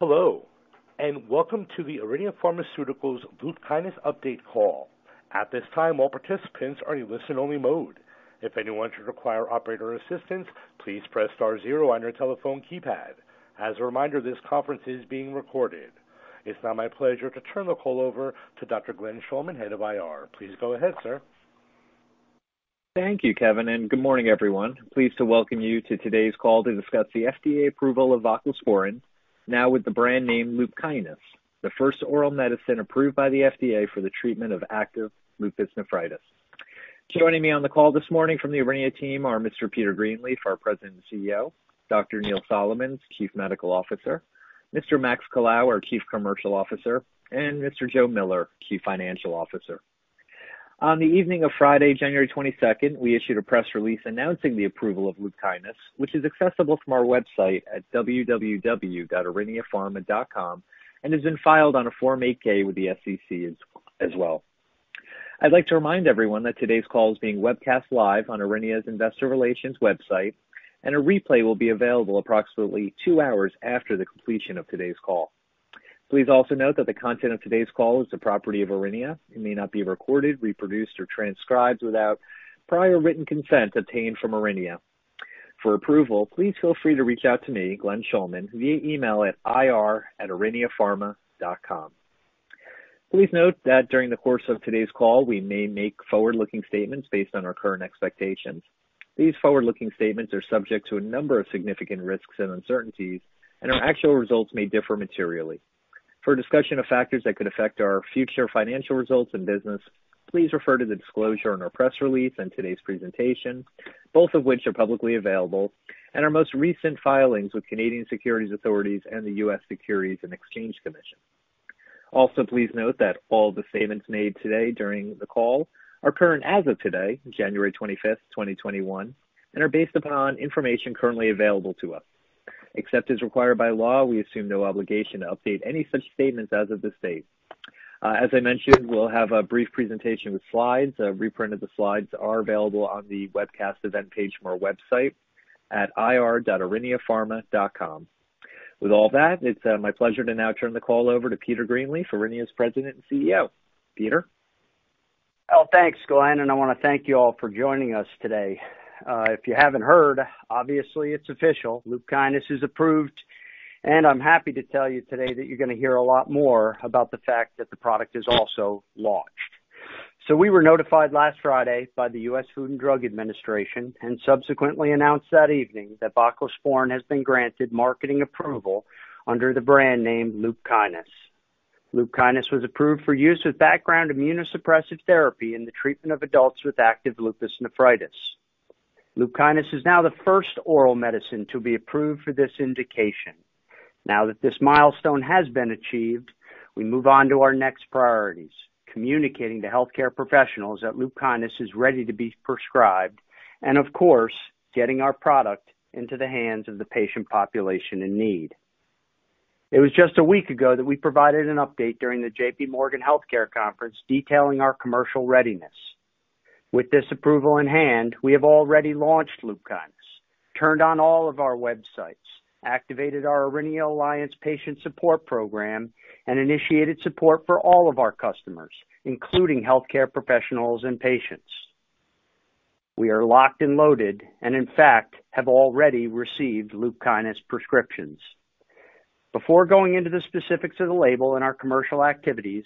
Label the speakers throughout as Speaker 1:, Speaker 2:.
Speaker 1: Hello, welcome to the Aurinia Pharmaceuticals LUPKYNIS update call. At this time, all participants are in listen-only mode. If anyone should require operator assistance, please press star zero on your telephone keypad. As a reminder, this conference is being recorded. It's now my pleasure to turn the call over to Dr. Glenn Schulman, Head of IR. Please go ahead, sir.
Speaker 2: Thank you, Kevin, good morning, everyone. Pleased to welcome you to today's call to discuss the FDA approval of voclosporin, now with the brand name LUPKYNIS, the first oral medicine approved by the FDA for the treatment of active lupus nephritis. Joining me on the call this morning from the Aurinia team are Mr. Peter Greenleaf, our President and CEO, Dr. Neil Solomons, Chief Medical Officer, Mr. Max Colao, our Chief Commercial Officer, and Mr. Joe Miller, Chief Financial Officer. On the evening of Friday, January 22nd, we issued a press release announcing the approval of LUPKYNIS, which is accessible from our website at www.auriniapharma.com and has been filed on a Form 8-K with the SEC as well. I'd like to remind everyone that today's call is being webcast live on Aurinia's investor relations website, and a replay will be available approximately two hours after the completion of today's call. Please also note that the content of today's call is the property of Aurinia. It may not be recorded, reproduced, or transcribed without prior written consent obtained from Aurinia. For approval, please feel free to reach out to me, Glenn Schulman, via email at ir@auriniapharma.com. Please note that during the course of today's call, we may make forward-looking statements based on our current expectations. These forward-looking statements are subject to a number of significant risks and uncertainties, and our actual results may differ materially. For a discussion of factors that could affect our future financial results and business, please refer to the disclosure in our press release and today's presentation, both of which are publicly available, and our most recent filings with Canadian securities authorities and the U.S. Securities and Exchange Commission. Please note that all the statements made today during the call are current as of today, January 25th, 2021, and are based upon information currently available to us. Except as required by law, we assume no obligation to update any such statements as of this date. As I mentioned, we'll have a brief presentation with slides. A reprint of the slides are available on the webcast event page from our website at ir.auriniapharma.com. It's my pleasure to now turn the call over to Peter Greenleaf, Aurinia's President and CEO. Peter?
Speaker 3: Well, thanks, Glenn, and I want to thank you all for joining us today. If you haven't heard, obviously it's official, LUPKYNIS is approved, and I'm happy to tell you today that you're going to hear a lot more about the fact that the product is also launched. We were notified last Friday by the U.S. Food and Drug Administration and subsequently announced that evening that voclosporin has been granted marketing approval under the brand name LUPKYNIS. LUPKYNIS was approved for use with background immunosuppressive therapy in the treatment of adults with active lupus nephritis. LUPKYNIS is now the first oral medicine to be approved for this indication. Now that this milestone has been achieved, we move on to our next priorities, communicating to healthcare professionals that LUPKYNIS is ready to be prescribed, and of course, getting our product into the hands of the patient population in need. It was just a week ago that we provided an update during the JPMorgan Healthcare Conference detailing our commercial readiness. With this approval in hand, we have already launched LUPKYNIS, turned on all of our websites, activated our Aurinia Alliance patient support program, and initiated support for all of our customers, including healthcare professionals and patients. We are locked and loaded, and in fact, have already received LUPKYNIS prescriptions. Before going into the specifics of the label and our commercial activities,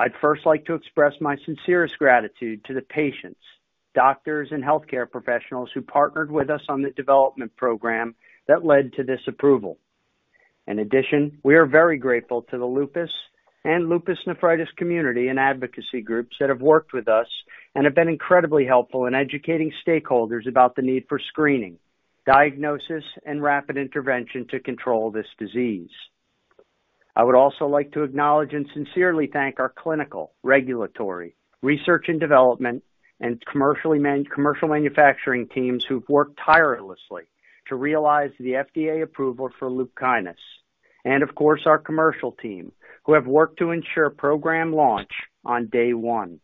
Speaker 3: I'd first like to express my sincerest gratitude to the patients, doctors, and healthcare professionals who partnered with us on the development program that led to this approval. In addition, we are very grateful to the lupus and lupus nephritis community and advocacy groups that have worked with us and have been incredibly helpful in educating stakeholders about the need for screening, diagnosis, and rapid intervention to control this disease. I would also like to acknowledge and sincerely thank our clinical, regulatory, research and development, and commercial manufacturing teams who've worked tirelessly to realize the FDA approval for LUPKYNIS. Of course, our commercial team, who have worked to ensure program launch on day one.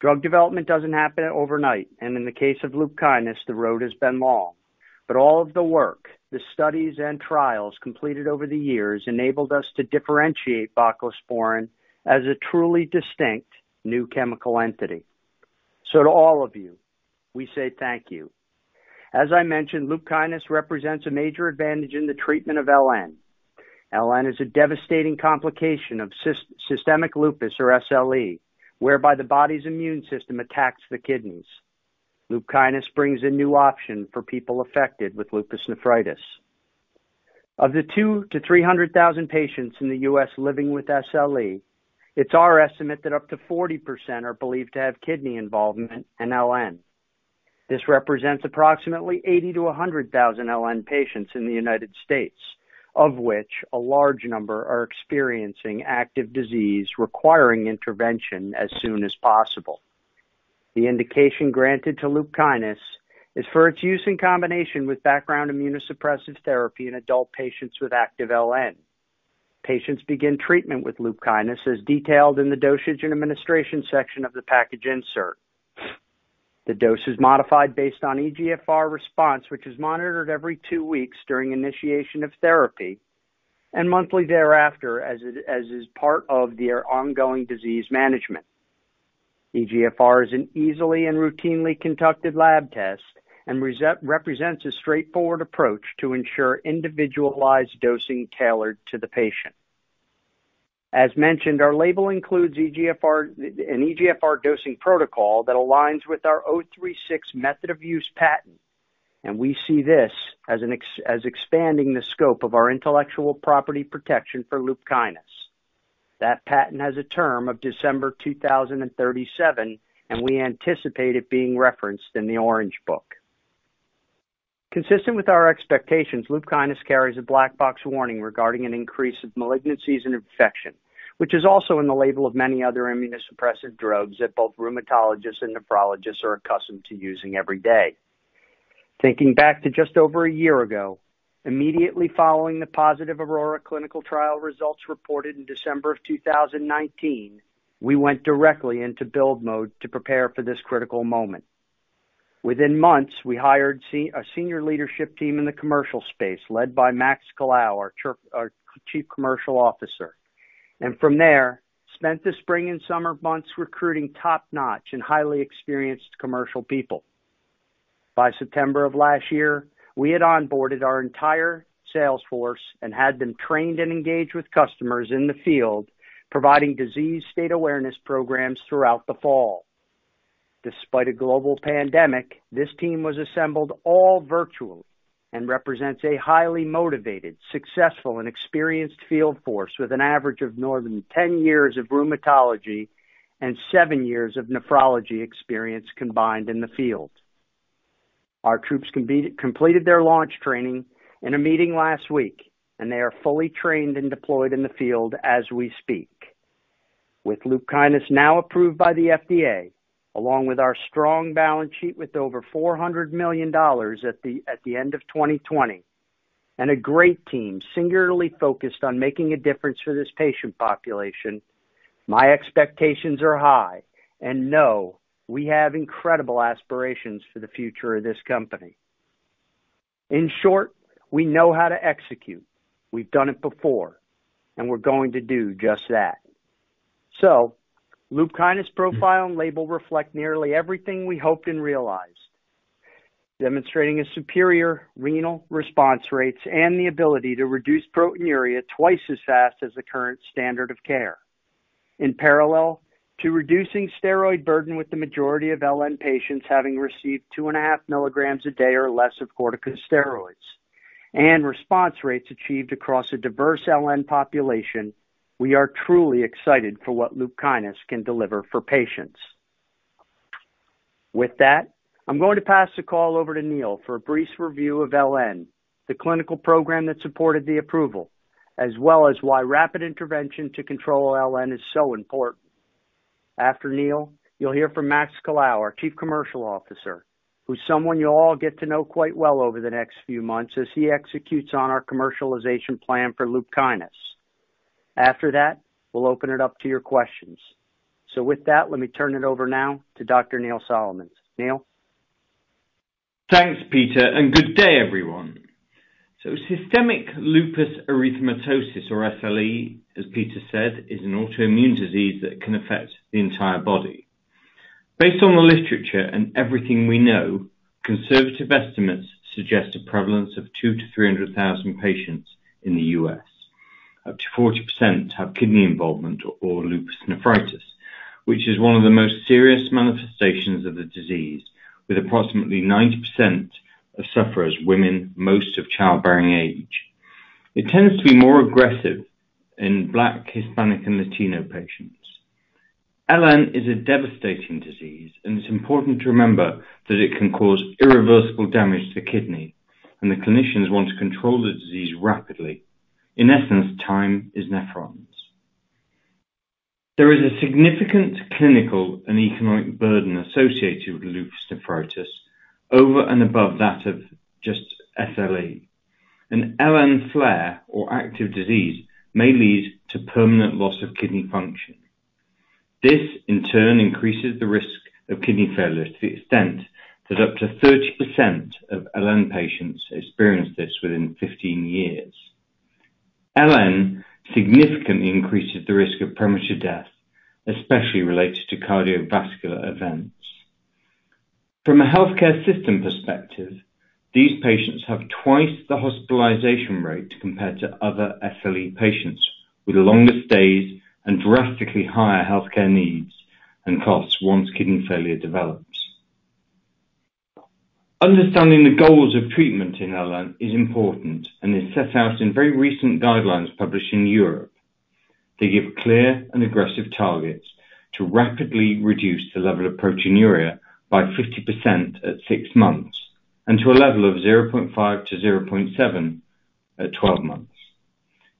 Speaker 3: Drug development doesn't happen overnight, and in the case of LUPKYNIS, the road has been long. All of the work, the studies, and trials completed over the years enabled us to differentiate voclosporin as a truly distinct new chemical entity. To all of you, we say thank you. As I mentioned, LUPKYNIS represents a major advantage in the treatment of LN. LN is a devastating complication of systemic lupus or SLE, whereby the body's immune system attacks the kidneys. LUPKYNIS brings a new option for people affected with lupus nephritis. Of the two to 300,000 patients in the U.S. living with SLE, it's our estimate that up to 40% are believed to have kidney involvement and LN. This represents approximately 80,000-100,000 LN patients in the United States, of which a large number are experiencing active disease requiring intervention as soon as possible. The indication granted to LUPKYNIS is for its use in combination with background immunosuppressive therapy in adult patients with active LN. Patients begin treatment with LUPKYNIS as detailed in the dosage and administration section of the package insert. The dose is modified based on eGFR response, which is monitored every two weeks during initiation of therapy, and monthly thereafter as is part of their ongoing disease management. eGFR is an easily and routinely conducted lab test and represents a straightforward approach to ensure individualized dosing tailored to the patient. As mentioned, our label includes an eGFR dosing protocol that aligns with our '036 method of use patent. We see this as expanding the scope of our intellectual property protection for LUPKYNIS. That patent has a term of December 2037. We anticipate it being referenced in the Orange Book. Consistent with our expectations, LUPKYNIS carries a black box warning regarding an increase of malignancies and infection, which is also in the label of many other immunosuppressive drugs that both rheumatologists and nephrologists are accustomed to using every day. Thinking back to just over a year ago, immediately following the positive AURORA clinical trial results reported in December of 2019, we went directly into build mode to prepare for this critical moment. Within months, we hired a senior leadership team in the commercial space led by Max Colao, our Chief Commercial Officer, from there, spent the spring and summer months recruiting top-notch and highly experienced commercial people. By September of last year, we had onboarded our entire sales force and had them trained and engaged with customers in the field, providing disease state awareness programs throughout the fall. Despite a global pandemic, this team was assembled all virtually and represents a highly motivated, successful, and experienced field force with an average of more than 10 years of rheumatology and seven years of nephrology experience combined in the field. Our troops completed their launch training in a meeting last week, and they are fully trained and deployed in the field as we speak. With LUPKYNIS now approved by the FDA, along with our strong balance sheet with over $400 million at the end of 2020, and a great team singularly focused on making a difference for this patient population, my expectations are high, and know we have incredible aspirations for the future of this company. In short, we know how to execute. We've done it before, and we're going to do just that. LUPKYNIS profile and label reflect nearly everything we hoped and realized, demonstrating a superior renal response rates and the ability to reduce proteinuria twice as fast as the current standard of care. In parallel to reducing steroid burden with the majority of LN patients having received 2.5 mg a day or less of corticosteroids, and response rates achieved across a diverse LN population, we are truly excited for what LUPKYNIS can deliver for patients. With that, I'm going to pass the call over to Neil for a brief review of LN, the clinical program that supported the approval, as well as why rapid intervention to control LN is so important. After Neil, you'll hear from Max Colao, our Chief Commercial Officer, who's someone you'll all get to know quite well over the next few months as he executes on our commercialization plan for LUPKYNIS. After that, we'll open it up to your questions. With that, let me turn it over now to Dr. Neil Solomons. Neil?
Speaker 4: Thanks, Peter. Good day, everyone. Systemic lupus erythematosus, or SLE, as Peter said, is an autoimmune disease that can affect the entire body. Based on the literature and everything we know, conservative estimates suggest a prevalence of two to 300,000 patients in the U.S. Up to 40% have kidney involvement or lupus nephritis, which is one of the most serious manifestations of the disease, with approximately 90% of sufferers women, most of childbearing age. It tends to be more aggressive in Black, Hispanic, and Latino patients. LN is a devastating disease, and it's important to remember that it can cause irreversible damage to the kidney, and the clinicians want to control the disease rapidly. In essence, time is nephrons. There is a significant clinical and economic burden associated with lupus nephritis over and above that of just SLE. An LN flare or active disease may lead to permanent loss of kidney function. This, in turn, increases the risk of kidney failure to the extent that up to 30% of LN patients experience this within 15 years. LN significantly increases the risk of premature death, especially related to cardiovascular events. From a healthcare system perspective, these patients have twice the hospitalization rate compared to other SLE patients, with longer stays and drastically higher healthcare needs and costs once kidney failure develops. Understanding the goals of treatment in LN is important and is set out in very recent guidelines published in Europe. They give clear and aggressive targets to rapidly reduce the level of proteinuria by 50% at six months and to a level of 0.5-0.7 at 12 months.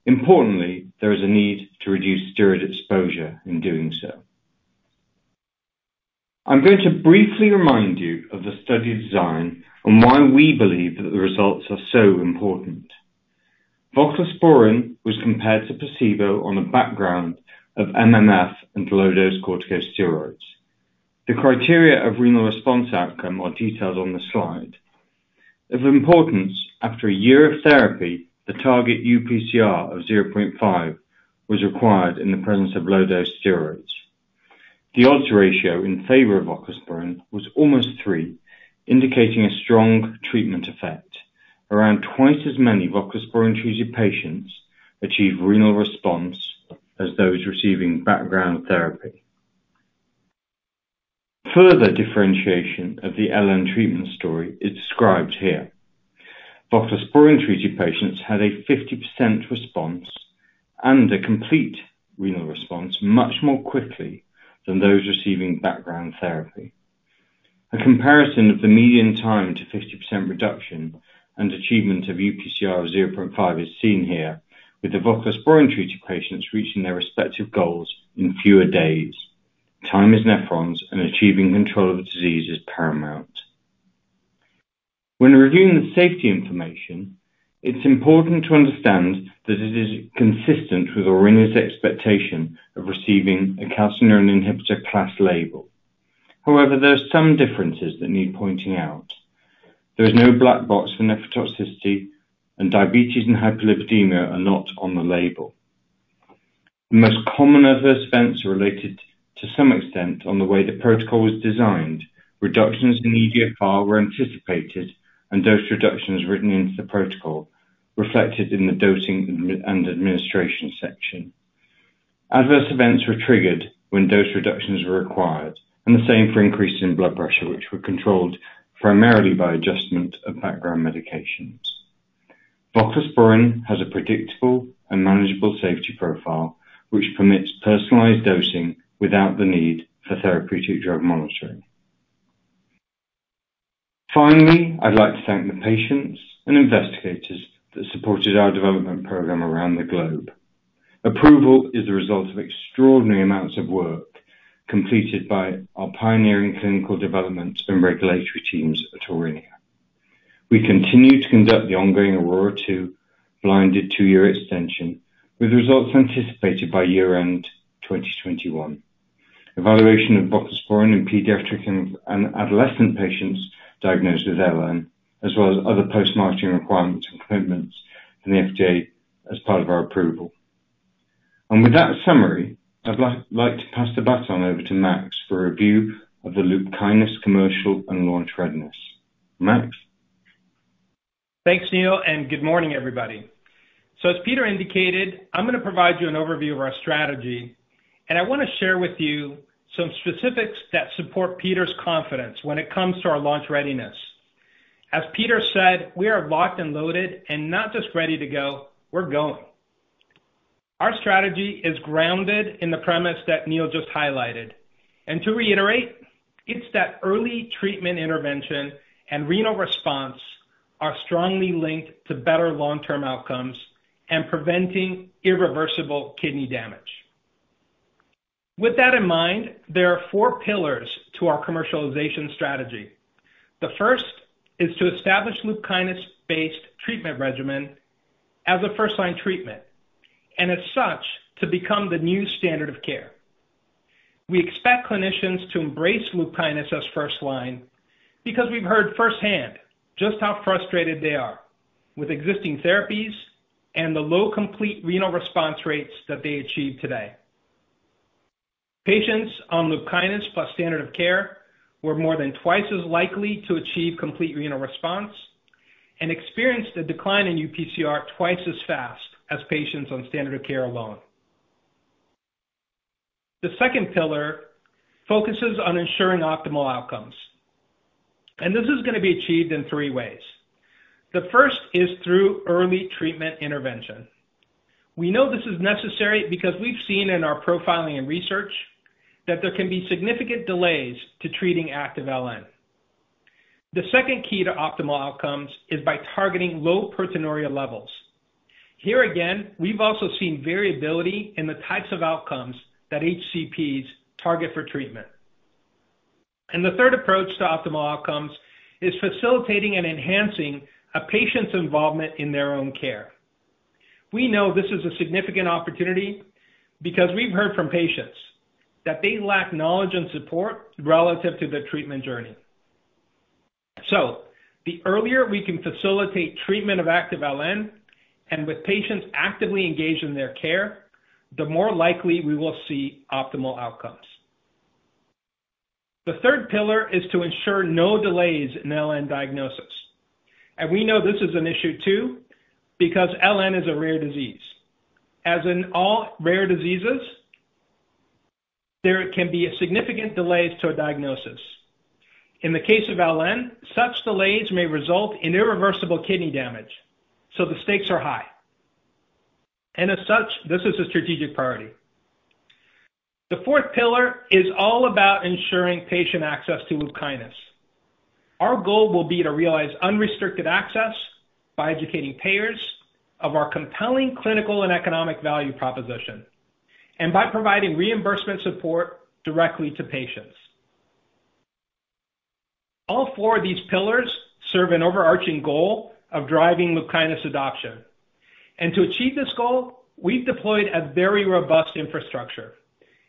Speaker 4: Importantly, there is a need to reduce steroid exposure in doing so. I'm going to briefly remind you of the study design and why we believe that the results are so important. Voclosporin was compared to placebo on a background of MMF and low-dose corticosteroids. The criteria of renal response outcome are detailed on the slide. Of importance, after a year of therapy, the target UPCR of 0.5 was required in the presence of low-dose steroids. The odds ratio in favor of voclosporin was almost three, indicating a strong treatment effect. Around twice as many voclosporin-treated patients achieve renal response as those receiving background therapy. Further differentiation of the LN treatment story is described here. Voclosporin-treated patients had a 50% response and a complete renal response much more quickly than those receiving background therapy. A comparison of the median time to 50% reduction and achievement of UPCR of 0.5 is seen here, with the voclosporin-treated patients reaching their respective goals in fewer days. Time is nephrons, and achieving control of the disease is paramount. When reviewing the safety information, it's important to understand that it is consistent with Aurinia's expectation of receiving a calcineurin inhibitor class label. However, there are some differences that need pointing out. There is no black box for nephrotoxicity, and diabetes and hyperlipidemia are not on the label. The most common adverse events are related, to some extent, on the way the protocol was designed. Reductions in eGFR were anticipated, and dose reductions written into the protocol, reflected in the dosing and administration section. Adverse events were triggered when dose reductions were required, and the same for increases in blood pressure, which were controlled primarily by adjustment of background medications. voclosporin has a predictable and manageable safety profile, which permits personalized dosing without the need for therapeutic drug monitoring. Finally, I'd like to thank the patients and investigators that supported our development program around the globe. Approval is a result of extraordinary amounts of work completed by our pioneering clinical development and regulatory teams at Aurinia. We continue to conduct the ongoing AURORA 2 blinded two-year extension, with results anticipated by year-end 2021. Evaluation of voclosporin in pediatric and adolescent patients diagnosed with LN, as well as other post-marketing requirements and commitments from the FDA as part of our approval. With that summary, I'd like to pass the baton over to Max for a review of the LUPKYNIS commercial and launch readiness. Max?
Speaker 5: Thanks, Neil. Good morning, everybody. As Peter indicated, I'm going to provide you an overview of our strategy, and I want to share with you some specifics that support Peter's confidence when it comes to our launch readiness. As Peter said, we are locked and loaded and not just ready to go, we're going. Our strategy is grounded in the premise that Neil just highlighted. To reiterate, it's that early treatment intervention and renal response are strongly linked to better long-term outcomes and preventing irreversible kidney damage. With that in mind, there are four pillars to our commercialization strategy. The first is to establish LUPKYNIS-based treatment regimen as a first-line treatment, and as such, to become the new standard of care. We expect clinicians to embrace LUPKYNIS as first-line, because we've heard firsthand just how frustrated they are with existing therapies and the low complete renal response rates that they achieve today. Patients on LUPKYNIS plus standard of care were more than twice as likely to achieve complete renal response and experienced a decline in UPCR twice as fast as patients on standard of care alone. The second pillar focuses on ensuring optimal outcomes, and this is going to be achieved in three ways. The first is through early treatment intervention. We know this is necessary because we've seen in our profiling and research that there can be significant delays to treating active LN. The second key to optimal outcomes is by targeting low proteinuria levels. Here again, we've also seen variability in the types of outcomes that HCPs target for treatment. The third approach to optimal outcomes is facilitating and enhancing a patient's involvement in their own care. We know this is a significant opportunity because we've heard from patients that they lack knowledge and support relative to their treatment journey. The earlier we can facilitate treatment of active LN, and with patients actively engaged in their care, the more likely we will see optimal outcomes. The third pillar is to ensure no delays in LN diagnosis. We know this is an issue, too, because LN is a rare disease. As in all rare diseases, there can be significant delays to a diagnosis. In the case of LN, such delays may result in irreversible kidney damage, so the stakes are high. As such, this is a strategic priority. The fourth pillar is all about ensuring patient access to LUPKYNIS. Our goal will be to realize unrestricted access by educating payers of our compelling clinical and economic value proposition and by providing reimbursement support directly to patients. All four of these pillars serve an overarching goal of driving LUPKYNIS adoption. To achieve this goal, we've deployed a very robust infrastructure,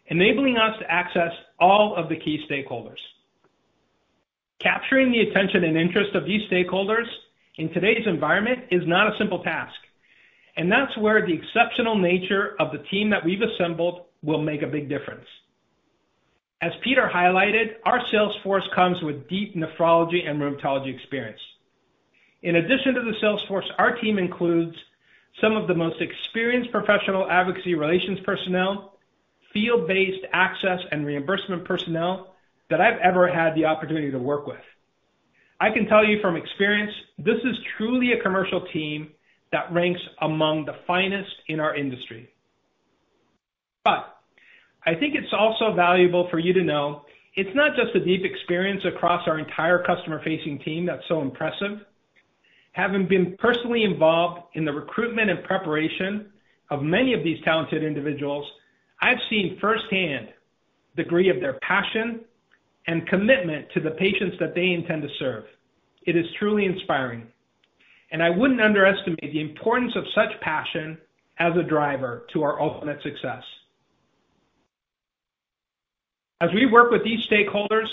Speaker 5: enabling us to access all of the key stakeholders. Capturing the attention and interest of these stakeholders in today's environment is not a simple task, and that's where the exceptional nature of the team that we've assembled will make a big difference. As Peter highlighted, our sales force comes with deep nephrology and rheumatology experience. In addition to the sales force, our team includes some of the most experienced professional advocacy relations personnel, field-based access, and reimbursement personnel that I've ever had the opportunity to work with. I can tell you from experience, this is truly a commercial team that ranks among the finest in our industry. I think it's also valuable for you to know it's not just the deep experience across our entire customer-facing team that's so impressive. Having been personally involved in the recruitment and preparation of many of these talented individuals, I've seen firsthand the degree of their passion and commitment to the patients that they intend to serve. It is truly inspiring, and I wouldn't underestimate the importance of such passion as a driver to our ultimate success. As we work with these stakeholders,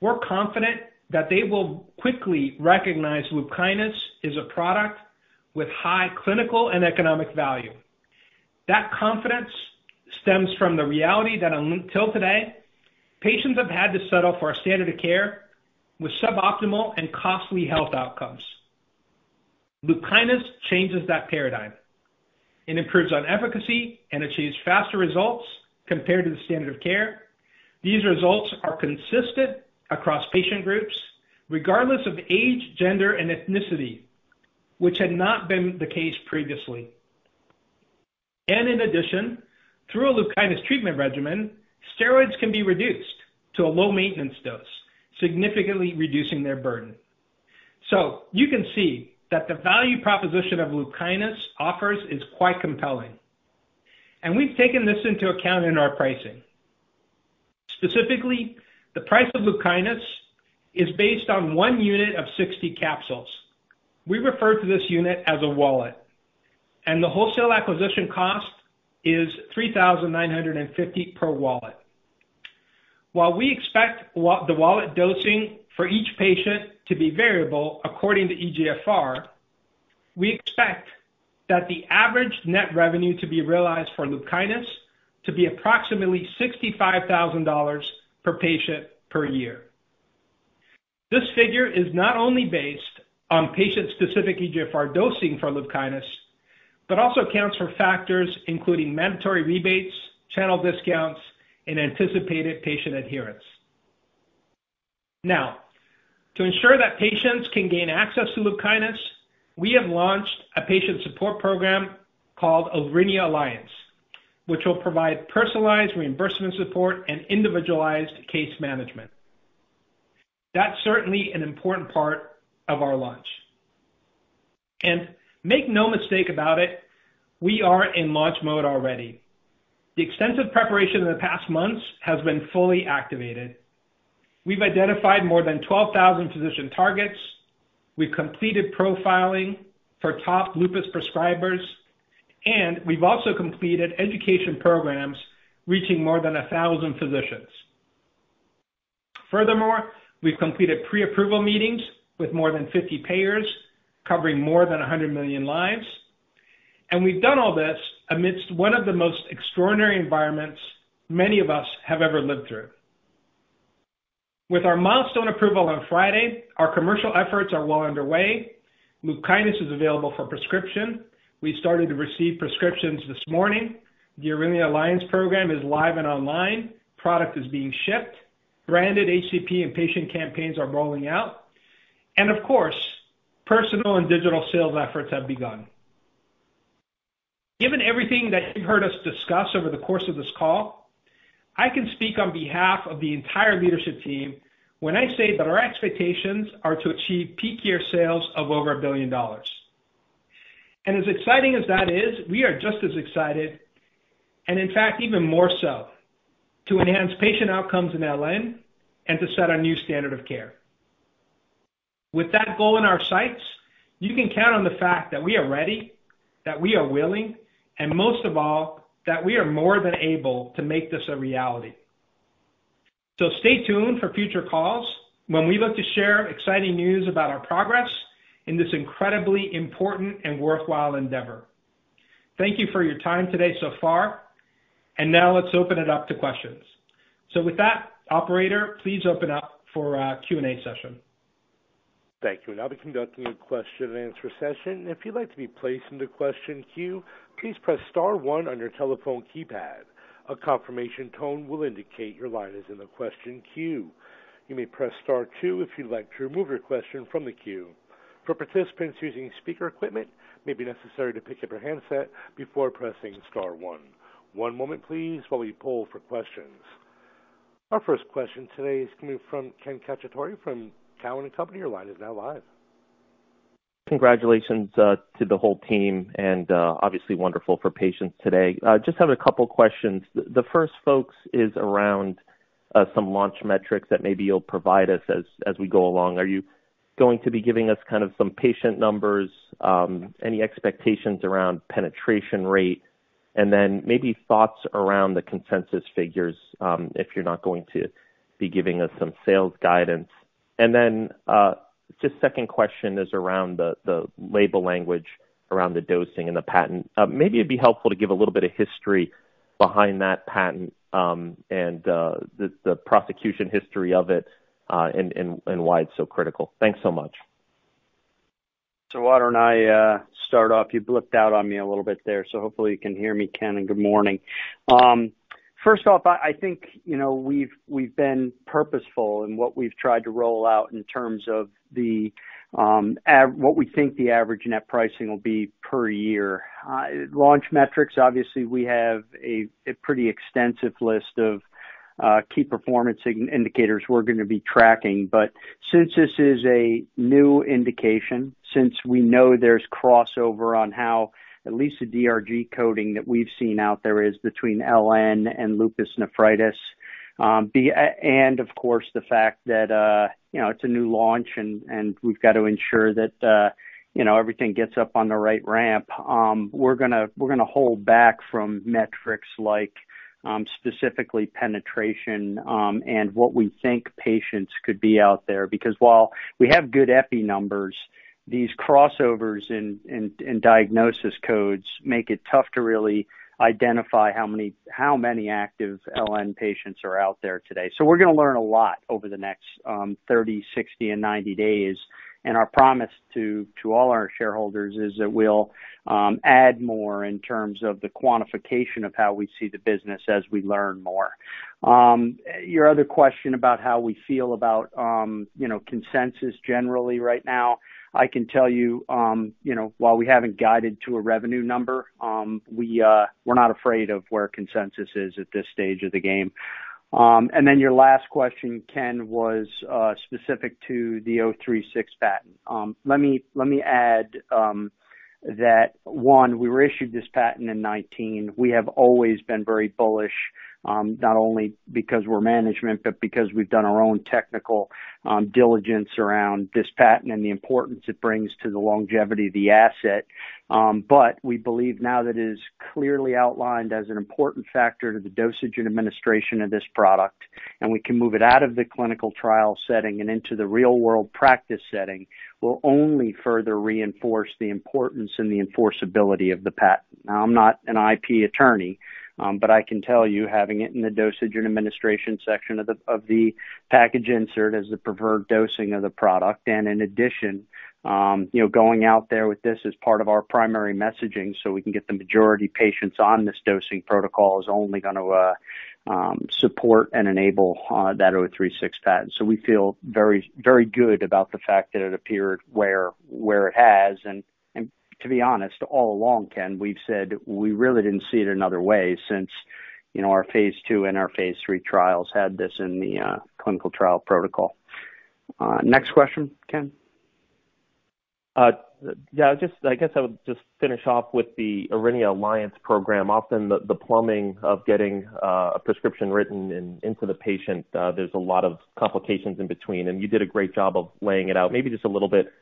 Speaker 5: we're confident that they will quickly recognize LUPKYNIS as a product with high clinical and economic value. That confidence stems from the reality that until today, patients have had to settle for our standard of care with suboptimal and costly health outcomes. LUPKYNIS changes that paradigm. It improves on efficacy and achieves faster results compared to the standard of care. These results are consistent across patient groups, regardless of age, gender, and ethnicity, which had not been the case previously. In addition, through a LUPKYNIS treatment regimen, steroids can be reduced to a low maintenance dose, significantly reducing their burden. You can see that the value proposition that LUPKYNIS offers is quite compelling, and we've taken this into account in our pricing. Specifically, the price of LUPKYNIS is based on one unit of 60 capsules. We refer to this unit as a wallet, and the wholesale acquisition cost is $3,950 per wallet. While we expect the wallet dosing for each patient to be variable according to eGFR, we expect that the average net revenue to be realized for LUPKYNIS to be approximately $65,000 per patient per year. This figure is not only based on patient-specific eGFR dosing for LUPKYNIS, but also accounts for factors including mandatory rebates, channel discounts, and anticipated patient adherence. To ensure that patients can gain access to LUPKYNIS, we have launched a patient support program called Aurinia Alliance, which will provide personalized reimbursement support and individualized case management. That's certainly an important part of our launch. Make no mistake about it, we are in launch mode already. The extensive preparation in the past months has been fully activated. We've identified more than 12,000 physician targets. We've completed profiling for top lupus prescribers, and we've also completed education programs reaching more than 1,000 physicians. Furthermore, we've completed pre-approval meetings with more than 50 payers, covering more than 100 million lives. We've done all this amidst one of the most extraordinary environments many of us have ever lived through. With our milestone approval on Friday, our commercial efforts are well underway. LUPKYNIS is available for prescription. We started to receive prescriptions this morning. The Aurinia Alliance program is live and online. Product is being shipped. Branded HCP and patient campaigns are rolling out. Of course, personal and digital sales efforts have begun. Given everything that you've heard us discuss over the course of this call, I can speak on behalf of the entire leadership team when I say that our expectations are to achieve peak year sales of over $1 billion. As exciting as that is, we are just as excited, and in fact, even more so, to enhance patient outcomes in LN and to set a new standard of care. With that goal in our sights, you can count on the fact that we are ready, that we are willing, and most of all, that we are more than able to make this a reality. Stay tuned for future calls when we look to share exciting news about our progress in this incredibly important and worthwhile endeavor. Thank you for your time today so far, and now let's open it up to questions. With that, operator, please open up for Q&A session.
Speaker 1: Our first question today is coming from Ken Cacciatore from Cowen and Company. Your line is now live.
Speaker 6: Congratulations to the whole team, obviously wonderful for patients today. Just have a couple questions. The first, folks, is around some launch metrics that maybe you'll provide us as we go along. Are you going to be giving us some patient numbers? Any expectations around penetration rate? Maybe thoughts around the consensus figures, if you're not going to be giving us some sales guidance. Just second question is around the label language around the dosing and the patent. Maybe it'd be helpful to give a little bit of history behind that patent and the prosecution history of it, and why it's so critical. Thanks so much.
Speaker 3: Why don't I start off? You blipped out on me a little bit there. Hopefully you can hear me, Ken, and good morning. First off, I think we've been purposeful in what we've tried to roll out in terms of what we think the average net pricing will be per year. Launch metrics, obviously, we have a pretty extensive list of key performance indicators we're going to be tracking. Since this is a new indication, since we know there's crossover on how at least the DRG coding that we've seen out there is between LN and lupus nephritis. Of course, the fact that it's a new launch and we've got to ensure that everything gets up on the right ramp. We're going to hold back from metrics like, specifically penetration, and what we think patients could be out there, because while we have good EPI numbers, these crossovers in diagnosis codes make it tough to really identify how many active LN patients are out there today. We're going to learn a lot over the next 30, 60, and 90 days. Our promise to all our shareholders is that we'll add more in terms of the quantification of how we see the business as we learn more. Your other question about how we feel about consensus generally right now, I can tell you while we haven't guided to a revenue number, we're not afraid of where consensus is at this stage of the game. Your last question, Ken, was specific to the '036 patent. Let me add that, one, we were issued this patent in 2019. We have always been very bullish, not only because we're management, because we've done our own technical diligence around this patent and the importance it brings to the longevity of the asset. We believe now that it is clearly outlined as an important factor to the dosage and administration of this product, and we can move it out of the clinical trial setting and into the real-world practice setting, will only further reinforce the importance and the enforceability of the patent. I'm not an IP attorney, I can tell you having it in the dosage and administration section of the package insert as the preferred dosing of the product, in addition, going out there with this as part of our primary messaging so we can get the majority patients on this dosing protocol is only going to support and enable that '036 patent. We feel very good about the fact that it appeared where it has, and to be honest, all along, Ken, we've said we really didn't see it another way since our phase II and our phase III trials had this in the clinical trial protocol. Next question, Ken.
Speaker 6: I guess I would just finish off with the Aurinia Alliance program. Often the plumbing of getting a prescription written and into the patient, there's a lot of complications in between, and you did a great job of laying it out. Maybe just a little bit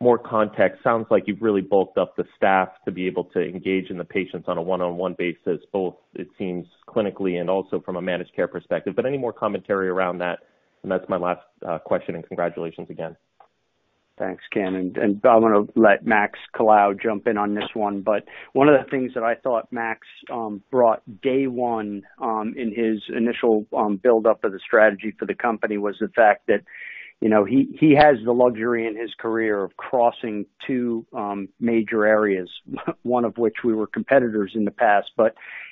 Speaker 6: more context. Sounds like you've really bulked up the staff to be able to engage in the patients on a one-on-one basis, both it seems clinically and also from a managed care perspective. Any more commentary around that? That's my last question, and congratulations again.
Speaker 3: Thanks, Ken. I'm going to let Max Colao jump in on this one. One of the things that I thought Max brought day one in his initial buildup of the strategy for the company was the fact that he has the luxury in his career of crossing two major areas, one of which we were competitors in the past.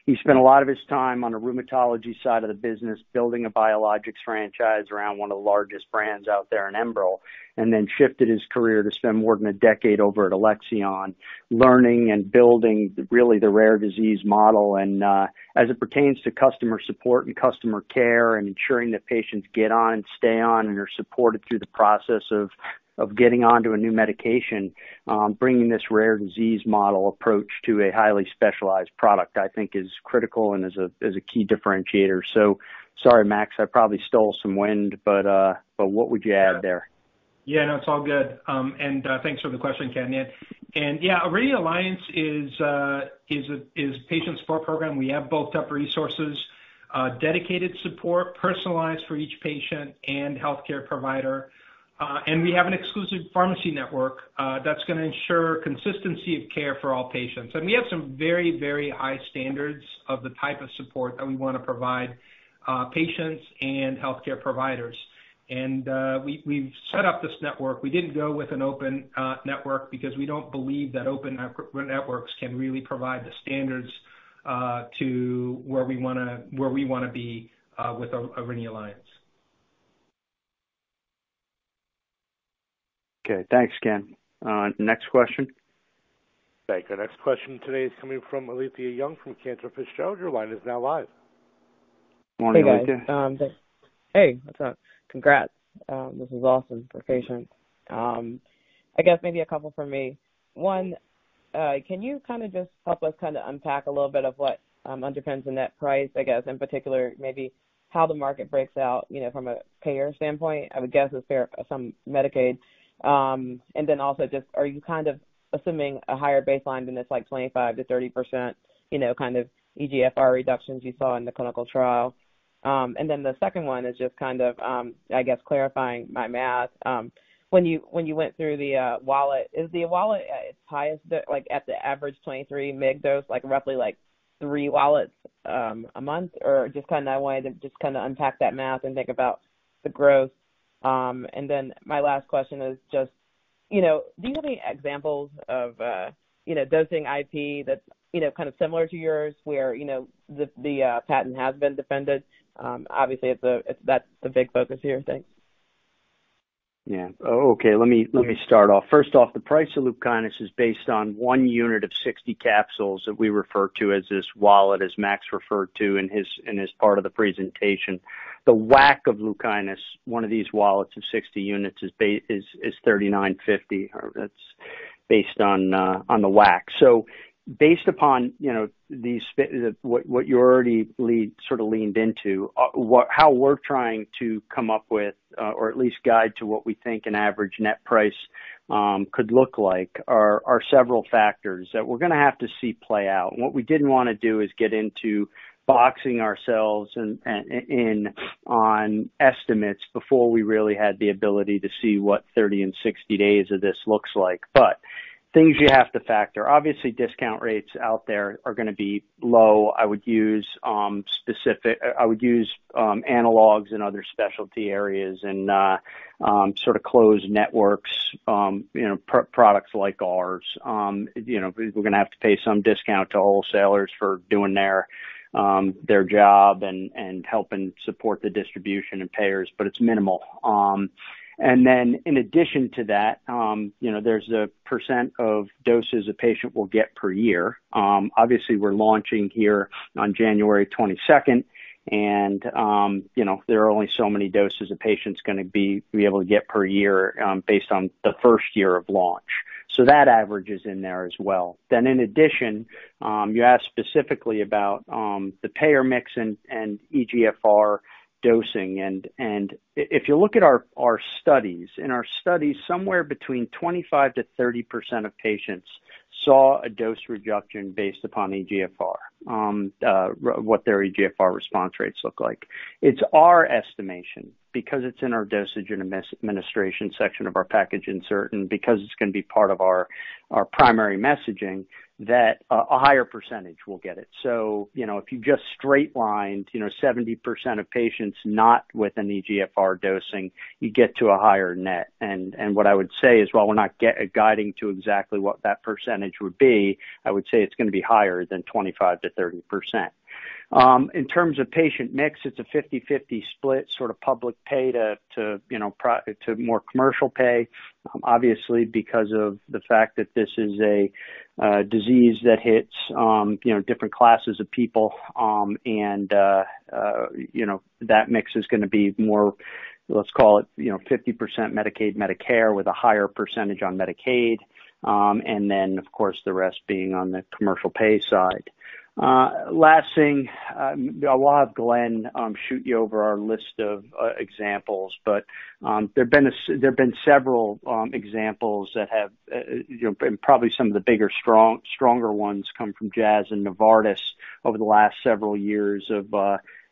Speaker 3: He spent a lot of his time on the rheumatology side of the business, building a biologics franchise around one of the largest brands out there in ENBREL, and then shifted his career to spend more than a decade over at Alexion, learning and building really the rare disease model. As it pertains to customer support and customer care and ensuring that patients get on and stay on and are supported through the process of getting onto a new medication, bringing this rare disease model approach to a highly specialized product, I think is critical and is a key differentiator. Sorry, Max, I probably stole some wind, but what would you add there?
Speaker 5: Yeah, no, it's all good. Thanks for the question, Ken. Yeah, Aurinia Alliance is a patient support program. We have bulked up resources, dedicated support personalized for each patient and healthcare provider. We have an exclusive pharmacy network that's going to ensure consistency of care for all patients. We have some very, very high standards of the type of support that we want to provide patients and healthcare providers. We've set up this network. We didn't go with an open network because we don't believe that open networks can really provide the standards to where we want to be with Aurinia Alliance.
Speaker 3: Okay, thanks, Ken. Next question.
Speaker 1: Thank you. Next question today is coming from Alethia Young from Cantor Fitzgerald. Your line is now live.
Speaker 3: Morning, Alethia.
Speaker 7: Hey guys. Hey, what's up? Congrats. This is awesome for patients. I guess maybe a couple from me. One, can you just help us unpack a little bit of what underpins the net price, I guess, in particular, maybe how the market breaks out from a payer standpoint? I would guess it's fair some Medicaid. Also just are you assuming a higher baseline than this 25%-30% eGFR reductions you saw in the clinical trial? The second one is just, I guess, clarifying my math. When you went through the wallet, is the wallet as high as at the average 23 mg dose, roughly three wallets a month? I wanted to unpack that math and think about the growth. My last question is just, do you have any examples of dosing IP that's similar to yours where the patent has been defended? Obviously, that's a big focus here. Thanks.
Speaker 3: Let me start off. First off, the price of LUPKYNIS is based on one unit of 60 capsules that we refer to as this wallet, as Max referred to in his part of the presentation. The WAC of LUPKYNIS, one of these wallets of 60 units, is $3,950. That's based on the WAC. Based upon what you already sort of leaned into, how we're trying to come up with, or at least guide to what we think an average net price could look like, are several factors that we're going to have to see play out. What we didn't want to do is get into boxing ourselves in on estimates before we really had the ability to see what 30 and 60 days of this looks like. Things you have to factor. Obviously, discount rates out there are going to be low. I would use analogs in other specialty areas and sort of closed networks, products like ours. We're going to have to pay some discount to wholesalers for doing their job and helping support the distribution and payers, but it's minimal. In addition to that, there's a percent of doses a patient will get per year. Obviously, we're launching here on January 22nd, and there are only so many doses a patient's going to be able to get per year based on the first year of launch. That average is in there as well. In addition, you asked specifically about the payer mix and eGFR dosing. If you look at our studies, in our studies, somewhere between 25%-30% of patients saw a dose reduction based upon eGFR, what their eGFR response rates look like. It's our estimation, because it's in our dosage and administration section of our package insert, and because it's going to be part of our primary messaging, that a higher percentage will get it. If you just straight lined 70% of patients not with an eGFR dosing, you get to a higher net. What I would say is while we're not guiding to exactly what that percentage would be, I would say it's going to be higher than 25%-30%. In terms of patient mix, it's a 50/50 split, sort of public pay to more commercial pay. Obviously, because of the fact that this is a disease that hits different classes of people. That mix is going to be more, let's call it 50% Medicaid, Medicare with a higher percentage on Medicaid. Of course, the rest being on the commercial pay side. Last thing, I'll have Glenn shoot you over our list of examples, but there have been several examples that probably some of the bigger, stronger ones come from Jazz and Novartis over the last several years of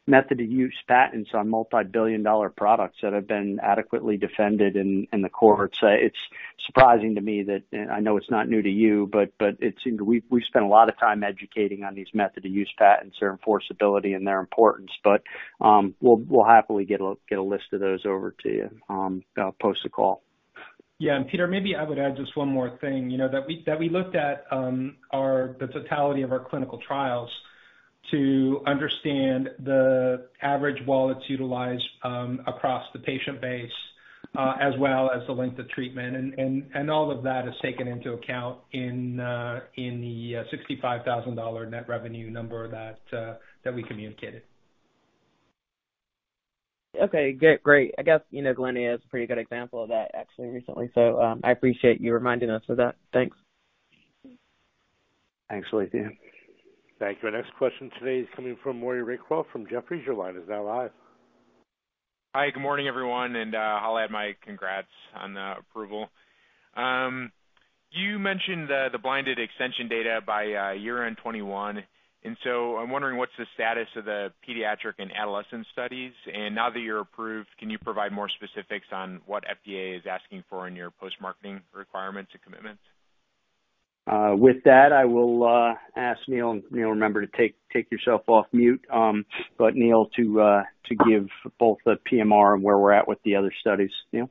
Speaker 3: method of use patents on multi-billion dollar products that have been adequately defended in the courts. It's surprising to me that, I know it's not new to you, we've spent a lot of time educating on these method of use patents, their enforceability, and their importance. We'll happily get a list of those over to you post the call.
Speaker 2: Yeah. Peter, maybe I would add just one more thing, that we looked at the totality of our clinical trials to understand the average wallets utilized across the patient base, as well as the length of treatment. All of that is taken into account in the $65,000 net revenue number that we communicated.
Speaker 7: Okay. Great. I guess, you know Glenn is a pretty good example of that actually recently. I appreciate you reminding us of that. Thanks.
Speaker 3: Thanks, Alethia.
Speaker 1: Thank you. Our next question today is coming from Maury Raycroft from Jefferies. Your line is now live.
Speaker 8: Hi, good morning, everyone. I'll add my congrats on the approval. You mentioned the blinded extension data by year-end 2021. I'm wondering what's the status of the pediatric and adolescent studies? Now that you're approved, can you provide more specifics on what FDA is asking for in your post-marketing requirements and commitments?
Speaker 3: With that, I will ask Neil. Neil, remember to take yourself off mute. Neil, to give both the PMR and where we're at with the other studies. Neil?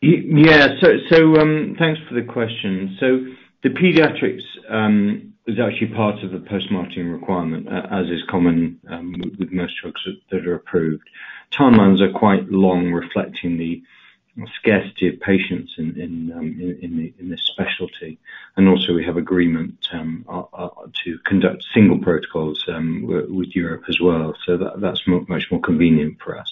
Speaker 4: Yeah. Thanks for the question. The pediatrics is actually part of the post-marketing requirement, as is common with most drugs that are approved. Timelines are quite long, reflecting the scarcity of patients in this specialty. Also, we have agreement to conduct single protocols with Europe as well. That's much more convenient for us.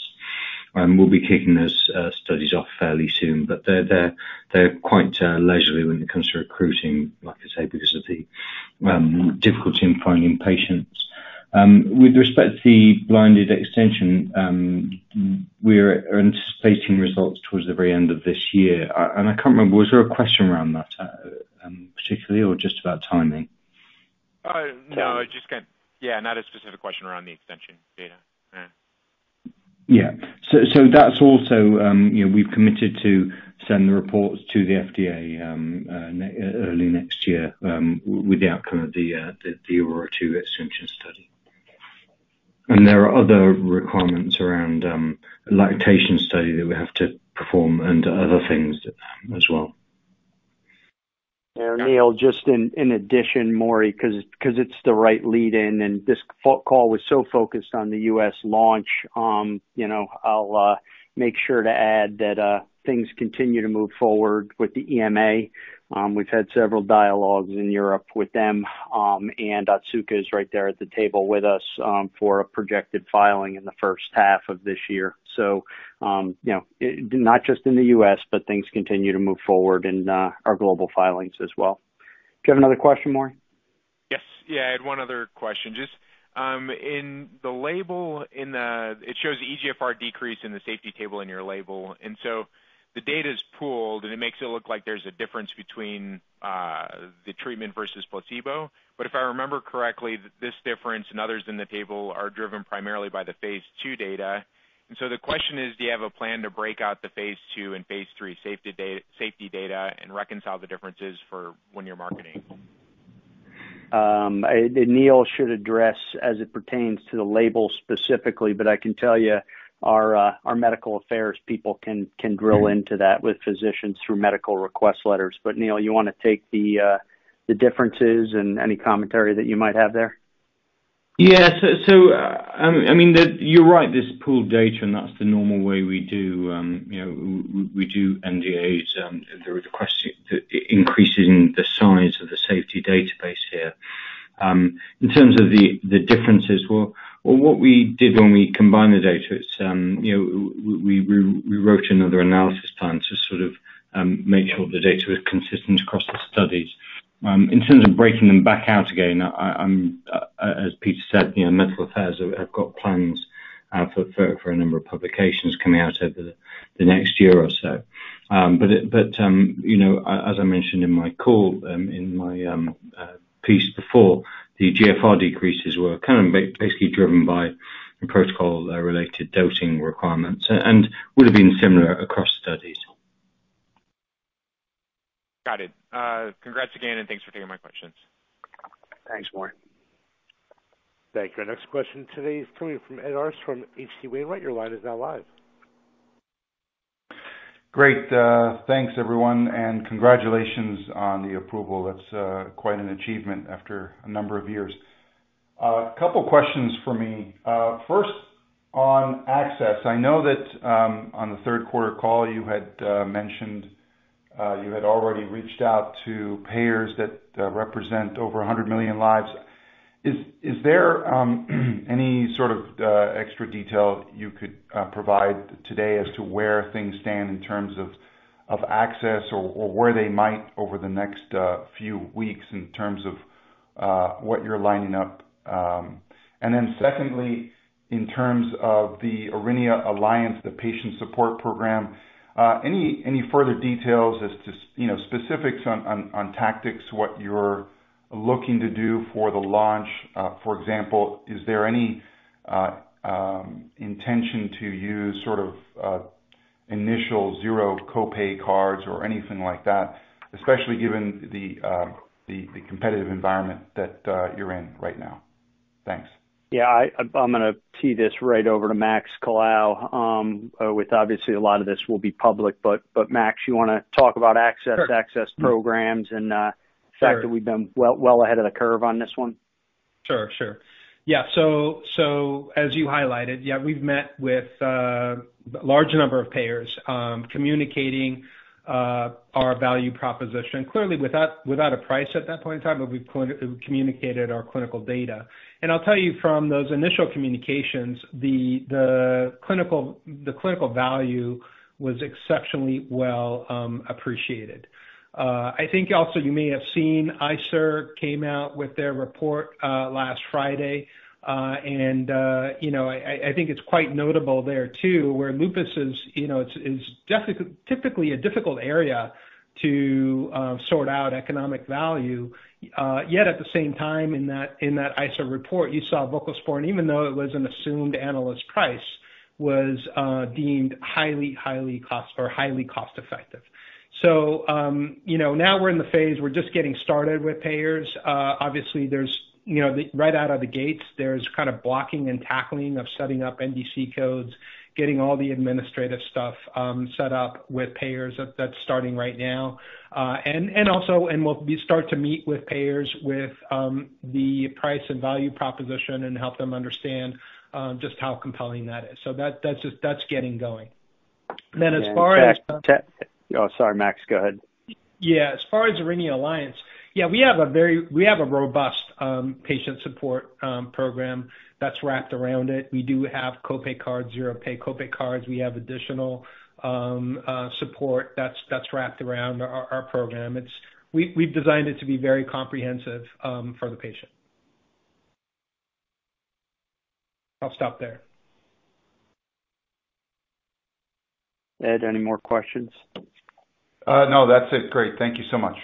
Speaker 4: We'll be kicking those studies off fairly soon. They're quite leisurely when it comes to recruiting, like I say, because of the difficulty in finding patients. With respect to the blinded extension, we're anticipating results towards the very end of this year. I can't remember, was there a question around that particularly or just about timing?
Speaker 8: No. Not a specific question around the extension data.
Speaker 4: That's also, we've committed to send the reports to the FDA early next year with the outcome of the AURORA 2 extension study. There are other requirements around a lactation study that we have to perform and other things as well.
Speaker 3: Neil, just in addition, Maury, because it's the right lead in and this call was so focused on the U.S. launch. I'll make sure to add that things continue to move forward with the EMA. We've had several dialogues in Europe with them, and Otsuka is right there at the table with us, for a projected filing in the first half of this year. Not just in the U.S., but things continue to move forward in our global filings as well. Do you have another question, Maury?
Speaker 8: Yes. I had one other question. Just in the label, it shows the eGFR decrease in the safety table in your label. The data's pooled, and it makes it look like there's a difference between the treatment versus placebo. If I remember correctly, this difference and others in the table are driven primarily by the phase II data. The question is, do you have a plan to break out the phase II and phase III safety data and reconcile the differences for when you're marketing?
Speaker 3: Neil should address as it pertains to the label specifically, but I can tell you our medical affairs people can drill into that with physicians through medical request letters. Neil, you want to take the differences and any commentary that you might have there?
Speaker 4: Yeah. You're right, this is pooled data, that's the normal way we do NDAs. There was a question to increasing the size of the safety database here. In terms of the differences, well, what we did when we combined the data is we wrote another analysis plan to sort of make sure the data is consistent across the studies. As Peter said, medical affairs have got plans for a number of publications coming out over the next year or so. As I mentioned in my call, in my piece before, the GFR decreases were kind of basically driven by protocol-related dosing requirements and would've been similar across studies.
Speaker 8: Got it. Congrats again, and thanks for taking my questions.
Speaker 3: Thanks, Maury.
Speaker 1: Thank you. Our next question today is coming from Ed Arce from H.C. Wainwright. Your line is now live.
Speaker 9: Great. Thanks, everyone. Congratulations on the approval. That's quite an achievement after a number of years. A couple questions for me. First, on access. I know that on the third quarter call you had mentioned you had already reached out to payers that represent over 100 million lives. Is there any sort of extra detail you could provide today as to where things stand in terms of access or where they might over the next few weeks in terms of what you're lining up? Then secondly, in terms of the Aurinia Alliance, the patient support program, any further details as to specifics on tactics, what you're looking to do for the launch? For example, is there any intention to use sort of initial zero copay cards or anything like that? Especially given the competitive environment that you're in right now. Thanks.
Speaker 3: Yeah. I'm gonna tee this right over to Max Colao, with obviously a lot of this will be public, but Max, you wanna talk about access-
Speaker 5: Sure.
Speaker 3: Access programs and the fact that we've been well ahead of the curve on this one?
Speaker 5: Sure. Yeah. As you highlighted, we've met with a large number of payers, communicating our value proposition. Clearly, without a price at that point in time, we've communicated our clinical data. I'll tell you from those initial communications, the clinical value was exceptionally well appreciated. I think also you may have seen ICER came out with their report last Friday. I think it's quite notable there too, where lupus is typically a difficult area to sort out economic value. Yet at the same time in that ICER report, you saw voclosporin, even though it was an assumed analyst price, was deemed highly cost effective. Now we're in the phase, we're just getting started with payers. Obviously there's, right out of the gates, there's kind of blocking and tackling of setting up NDC codes, getting all the administrative stuff set up with payers. That's starting right now. Also, we start to meet with payers with the price and value proposition and help them understand just how compelling that is. That's getting going.
Speaker 3: Oh, sorry, Max, go ahead.
Speaker 5: Yeah. As far as Aurinia Alliance, we have a robust patient support program that's wrapped around it. We do have copay cards, zero-pay copay cards. We have additional support that's wrapped around our program. We've designed it to be very comprehensive for the patient. I'll stop there.
Speaker 3: Ed, any more questions?
Speaker 9: No, that's it. Great. Thank you so much.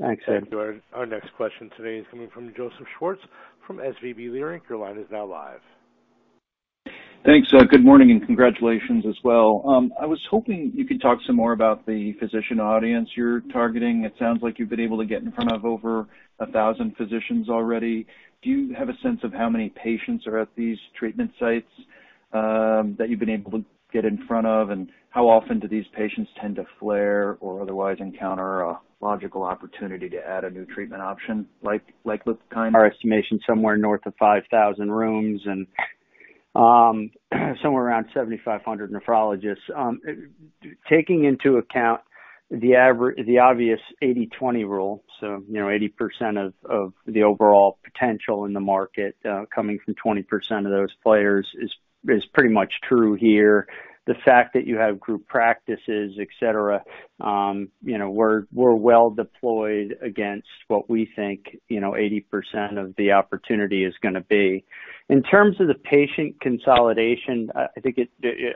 Speaker 3: Thanks, Ed.
Speaker 1: Our next question today is coming from Joseph Schwartz from SVB Leerink. Your line is now live.
Speaker 10: Thanks. Good morning, and congratulations as well. I was hoping you could talk some more about the physician audience you're targeting. It sounds like you've been able to get in front of over 1,000 physicians already. Do you have a sense of how many patients are at these treatment sites that you've been able to get in front of? How often do these patients tend to flare or otherwise encounter a logical opportunity to add a new treatment option like LUPKYNIS?
Speaker 3: Our estimation is somewhere north of 5,000 rheums and somewhere around 7,500 nephrologists. Taking into account the obvious 80/20 rule, 80% of the overall potential in the market coming from 20% of those players is pretty much true here. The fact that you have group practices, et cetera, we're well deployed against what we think 80% of the opportunity is going to be. In terms of the patient consolidation, I think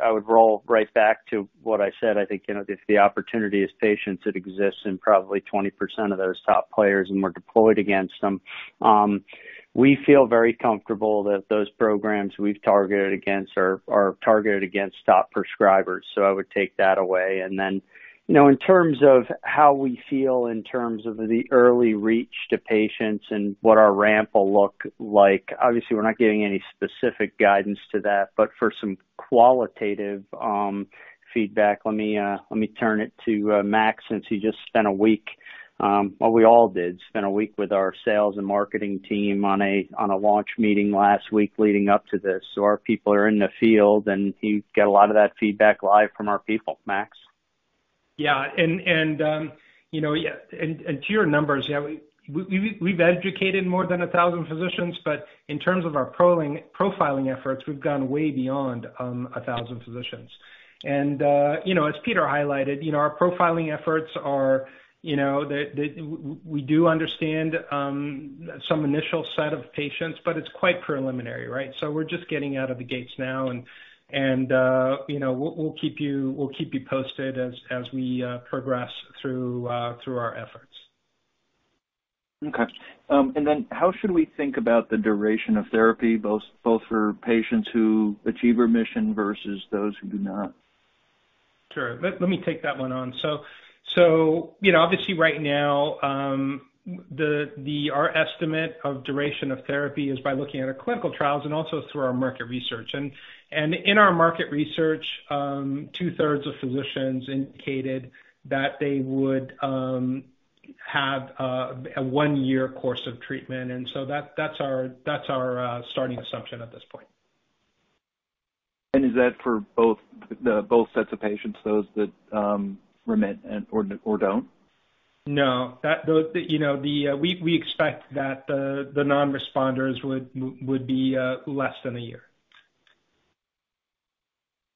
Speaker 3: I would roll right back to what I said. I think, if the opportunity is patients, it exists in probably 20% of those top players, and we're deployed against them. We feel very comfortable that those programs we've targeted against are targeted against top prescribers. I would take that away. In terms of how we feel in terms of the early reach to patients and what our ramp will look like, obviously, we're not giving any specific guidance to that. For some qualitative feedback, let me turn it to Max, since he just spent a week, well, we all did spend a week with our sales and marketing team on a launch meeting last week leading up to this. Our people are in the field, and he got a lot of that feedback live from our people. Max?
Speaker 5: Yeah. To your numbers, we've educated more than 1,000 physicians. In terms of our profiling efforts, we've gone way beyond 1,000 physicians. As Peter highlighted, our profiling efforts, we do understand some initial set of patients, but it's quite preliminary, right? We're just getting out of the gates now, and we'll keep you posted as we progress through our efforts.
Speaker 10: Okay. How should we think about the duration of therapy, both for patients who achieve remission versus those who do not?
Speaker 5: Sure. Let me take that one on. Obviously, right now, our estimate of duration of therapy is by looking at our clinical trials and also through our market research. In our market research, 2/3 of physicians indicated that they would have a one-year course of treatment. That's our starting assumption at this point.
Speaker 10: Is that for both sets of patients, those that remit or don't?
Speaker 5: No. We expect that the non-responders would be less than a year.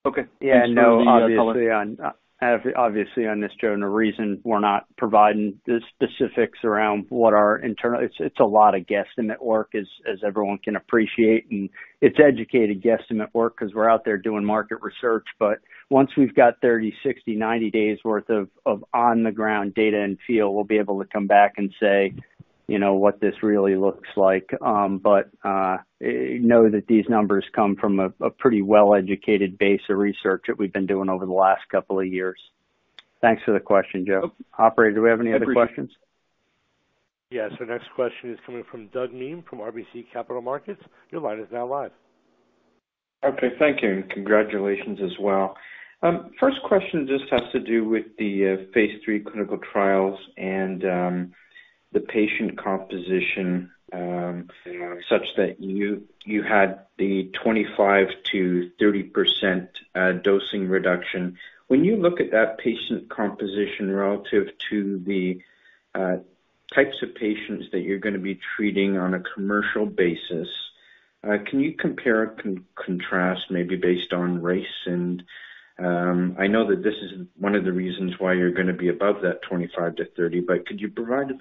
Speaker 10: Okay. Do you have color-
Speaker 3: Obviously on this, Joe, the reason we're not providing the specifics around what our internal--. It's a lot of guesstimate work as everyone can appreciate, and it's educated guesstimate work because we're out there doing market research. Once we've got 30, 60, 90 days worth of on-the-ground data in field, we'll be able to come back and say what this really looks like. Know that these numbers come from a pretty well-educated base of research that we've been doing over the last couple of years. Thanks for the question, Joe. Operator, do we have any other questions?
Speaker 1: Yes. Our next question is coming from Doug Miehm from RBC Capital Markets. Your line is now live.
Speaker 11: Okay. Thank you, and congratulations as well. First question just has to do with the phase III clinical trials and the patient composition such that you had the 25%-30% dosing reduction. When you look at that patient composition relative to the types of patients that you're going to be treating on a commercial basis, can you compare and contrast maybe based on race? I know that this is one of the reasons why you're going to be above that 25%-30%, but could you provide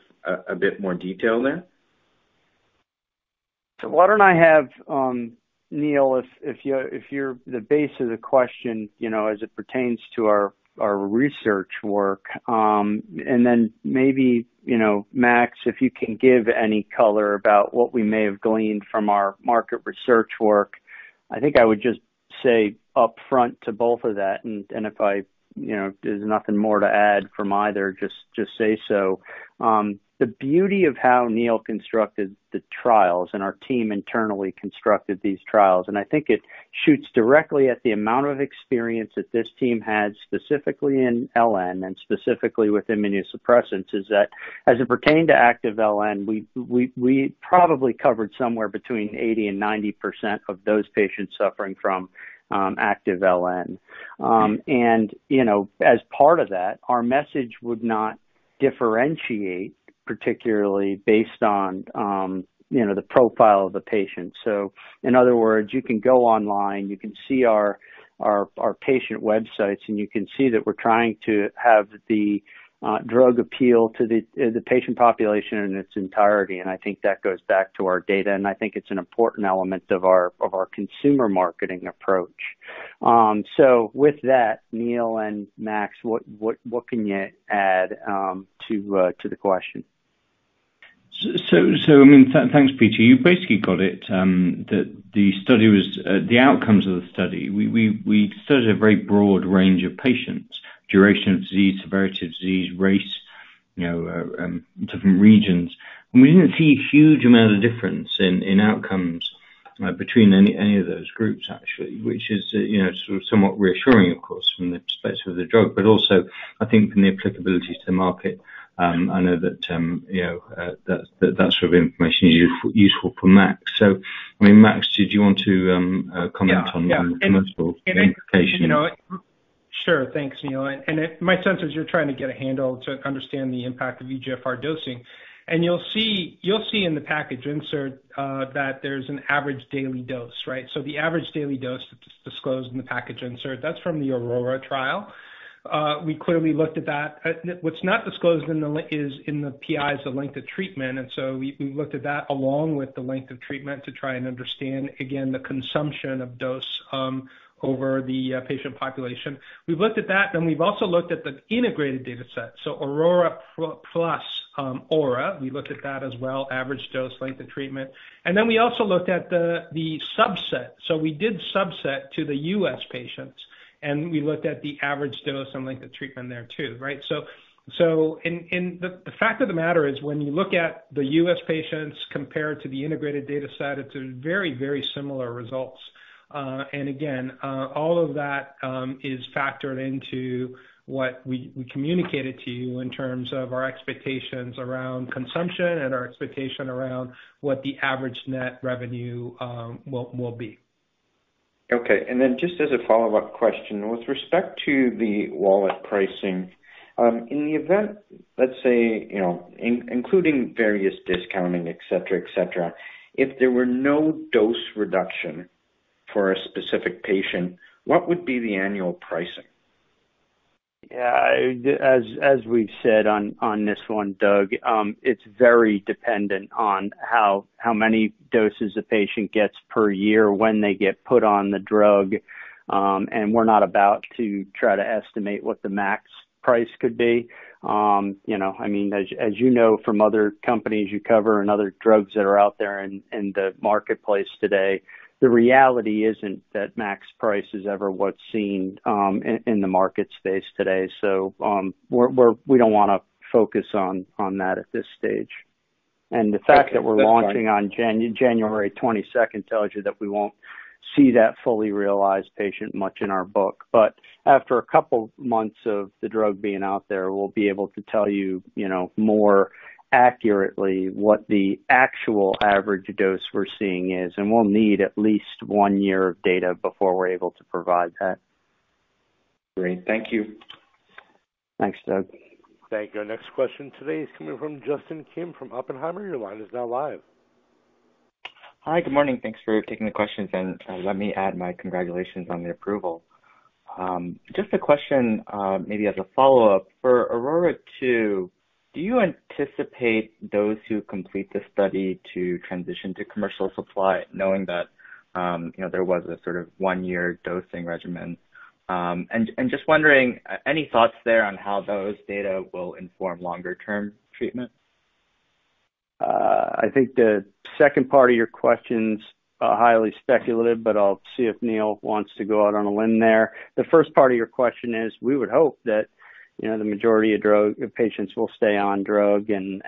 Speaker 11: a bit more detail there?
Speaker 3: Why don't I have, Neil, if the base of the question as it pertains to our research work, and then maybe Max, if you can give any color about what we may have gleaned from our market research work. I think I would just say upfront to both of that, and if there's nothing more to add from either, just say so. The beauty of how Neil constructed the trials, and our team internally constructed these trials, and I think it shoots directly at the amount of experience that this team had, specifically in LN and specifically with immunosuppressants, is that as it pertained to active LN, we probably covered somewhere between 80% and 90% of those patients suffering from active LN. As part of that, our message would not differentiate particularly based on the profile of the patient. In other words, you can go online, you can see our patient websites, and you can see that we're trying to have the drug appeal to the patient population in its entirety, and I think that goes back to our data, and I think it's an important element of our consumer marketing approach. With that, Neil and Max, what can you add to the question?
Speaker 4: Thanks, Peter. You basically got it, that the outcomes of the study. We studied a very broad range of patients, duration of disease, severity of disease, race, different regions. We didn't see a huge amount of difference in outcomes between any of those groups, actually, which is sort of somewhat reassuring, of course, from the perspective of the drug, but also, I think from the applicability to market. I know that sort of information is useful for Max. Max, did you want to comment on?
Speaker 5: Yeah.
Speaker 4: Commercial implication?
Speaker 5: Sure. Thanks, Neil. My sense is you're trying to get a handle to understand the impact of eGFR dosing. You'll see in the package insert that there's an average daily dose, right? The average daily dose that's disclosed in the package insert, that's from the AURORA trial. We clearly looked at that. What's not disclosed is in the PI is the length of treatment, we looked at that along with the length of treatment to try and understand, again, the consumption of dose over the patient population. We've looked at that, and we've also looked at the integrated data set, so AURORA plus AURA. We looked at that as well, average dose, length of treatment. We also looked at the subset. We did subset to the U.S. patients, and we looked at the average dose and length of treatment there too, right? The fact of the matter is, when you look at the U.S. patients compared to the integrated data set, it's very similar results. Again, all of that is factored into what we communicated to you in terms of our expectations around consumption and our expectation around what the average net revenue will be.
Speaker 11: Okay, just as a follow-up question, with respect to the wallet pricing, in the event, let's say, including various discounting, et cetera. If there were no dose reduction for a specific patient, what would be the annual pricing?
Speaker 3: As we've said on this one, Doug, it's very dependent on how many doses a patient gets per year when they get put on the drug. We're not about to try to estimate what the max price could be. As you know from other companies you cover and other drugs that are out there in the marketplace today, the reality isn't that max price is ever what's seen in the market space today. We don't want to focus on that at this stage.
Speaker 11: Okay. That's fine.
Speaker 3: The fact that we're launching on January 22nd tells you that we won't see that fully realized patient much in our book. After a couple months of the drug being out there, we'll be able to tell you more accurately what the actual average dose we're seeing is, and we'll need at least one year of data before we're able to provide that.
Speaker 11: Great. Thank you.
Speaker 3: Thanks, Doug.
Speaker 1: Thank you. Our next question today is coming from Justin Kim from Oppenheimer. Your line is now live.
Speaker 12: Hi. Good morning. Thanks for taking the questions. Let me add my congratulations on the approval. Just a question, maybe as a follow-up. For AURORA 2, do you anticipate those who complete the study to transition to commercial supply knowing that there was a sort of one-year dosing regimen? Just wondering, any thoughts there on how those data will inform longer-term treatment?
Speaker 3: I think the second part of your question's highly speculative, but I'll see if Neil wants to go out on a limb there. The first part of your question is, we would hope that the majority of patients will stay on drug and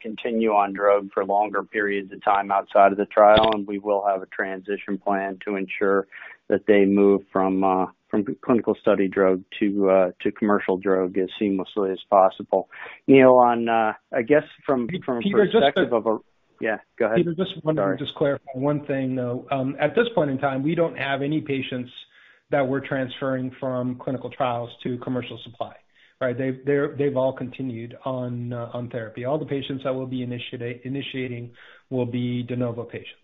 Speaker 3: continue on drug for longer periods of time outside of the trial, and we will have a transition plan to ensure that they move from clinical study drug to commercial drug as seamlessly as possible. Neil, I guess from a perspective of.
Speaker 5: Peter,
Speaker 3: Yeah, go ahead. Sorry.
Speaker 5: Peter, just wondering, just to clarify one thing, though. At this point in time, we don't have any patients that we're transferring from clinical trials to commercial supply. Right? They've all continued on therapy. All the patients that we'll be initiating will be de novo patients.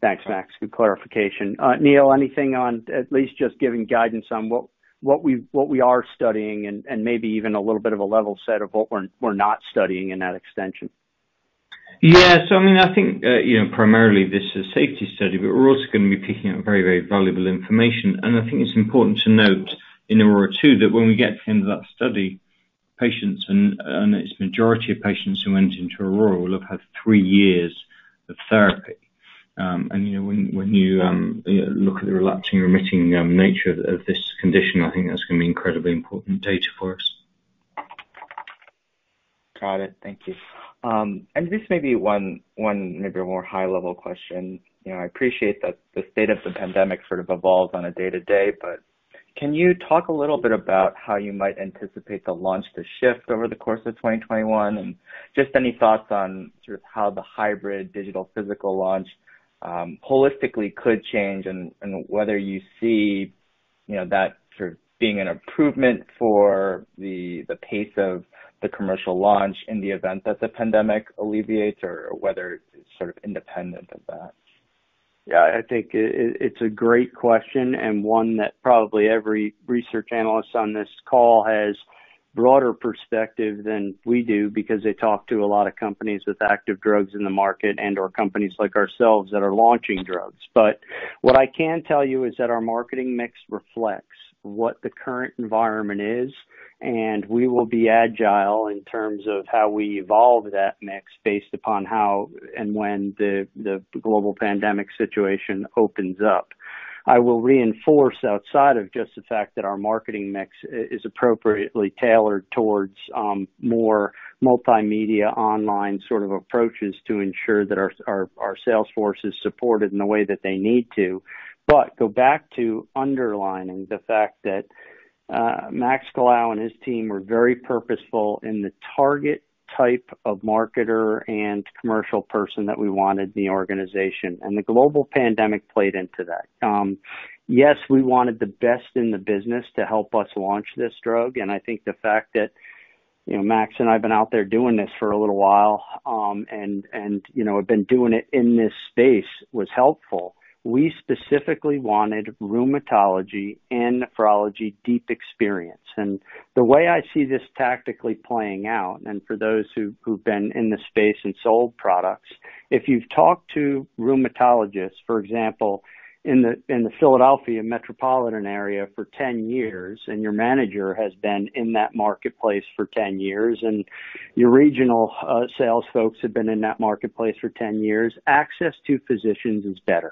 Speaker 3: Thanks, Max. Good clarification. Neil, anything on at least just giving guidance on what we are studying and maybe even a little bit of a level set of what we're not studying in that extension?
Speaker 4: I think, primarily this is a safety study, but we're also going to be picking up very valuable information. I think it's important to note in AURORA 2, that when we get to the end of that study, patients and its majority of patients who went into AURORA will have had three years of therapy. When you look at the relapsing, remitting nature of this condition, I think that's going to be incredibly important data for us.
Speaker 12: Got it. Thank you. This may be one maybe more high level question. I appreciate that the state of the pandemic sort of evolves on a day to day, but can you talk a little bit about how you might anticipate the launch to shift over the course of 2021, and just any thoughts on sort of how the hybrid digital physical launch holistically could change and whether you see that sort of being an improvement for the pace of the commercial launch in the event that the pandemic alleviates or whether it's sort of independent of that?
Speaker 3: Yeah, I think it's a great question and one that probably every research analyst on this call has broader perspective than we do because they talk to a lot of companies with active drugs in the market and/or companies like ourselves that are launching drugs. What I can tell you is that our marketing mix reflects what the current environment is, and we will be agile in terms of how we evolve that mix based upon how and when the global pandemic situation opens up. I will reinforce outside of just the fact that our marketing mix is appropriately tailored towards more multimedia online sort of approaches to ensure that our sales force is supported in the way that they need to. Go back to underlining the fact that Max Colao and his team were very purposeful in the target type of marketer and commercial person that we wanted in the organization, and the global pandemic played into that. Yes, we wanted the best in the business to help us launch this drug, and I think the fact that Max and I've been out there doing this for a little while, and have been doing it in this space was helpful. We specifically wanted rheumatology and nephrology deep experience. The way I see this tactically playing out, for those who've been in the space and sold products, if you've talked to rheumatologists, for example, in the Philadelphia metropolitan area for 10 years, your manager has been in that marketplace for 10 years, your regional sales folks have been in that marketplace for 10 years, access to physicians is better.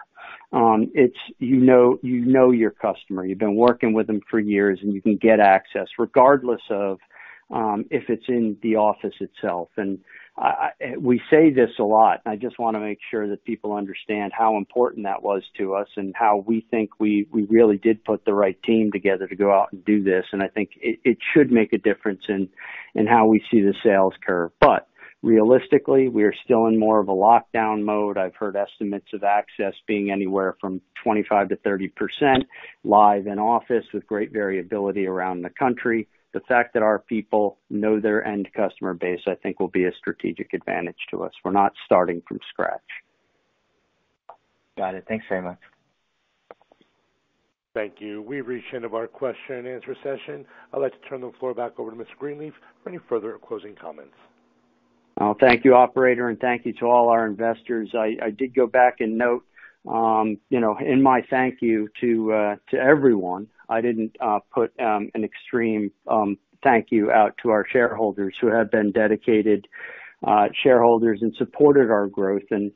Speaker 3: You know your customer. You've been working with them for years, you can get access regardless of if it's in the office itself. We say this a lot, I just want to make sure that people understand how important that was to us and how we think we really did put the right team together to go out and do this. I think it should make a difference in how we see the sales curve. Realistically, we are still in more of a lockdown mode. I've heard estimates of access being anywhere from 25%-30% live in office with great variability around the country. The fact that our people know their end customer base, I think will be a strategic advantage to us. We're not starting from scratch.
Speaker 12: Got it. Thanks very much.
Speaker 1: Thank you. We've reached the end of our question-and-answer session. I'd like to turn the floor back over to Mr. Greenleaf for any further closing comments.
Speaker 3: Thank you, operator. Thank you to all our investors. I did go back and note in my thank you to everyone, I didn't put an extreme thank you out to our shareholders who have been dedicated shareholders and supported our growth and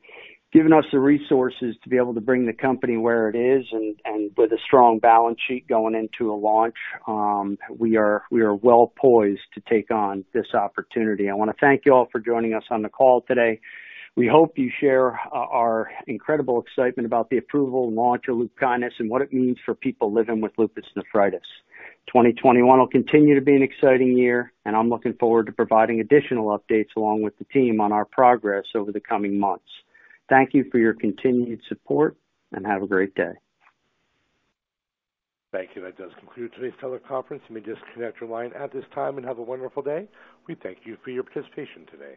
Speaker 3: given us the resources to be able to bring the company where it is and with a strong balance sheet going into a launch. We are well poised to take on this opportunity. I want to thank you all for joining us on the call today. We hope you share our incredible excitement about the approval and launch of LUPKYNIS and what it means for people living with lupus nephritis. 2021 will continue to be an exciting year, and I'm looking forward to providing additional updates along with the team on our progress over the coming months. Thank you for your continued support, and have a great day.
Speaker 1: Thank you. That does conclude today's teleconference. You may disconnect your line at this time, and have a wonderful day. We thank you for your participation today.